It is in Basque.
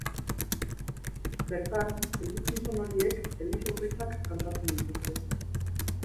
Bertan, elizgizon horiek, eliz otoitzak kantatzen dituzte.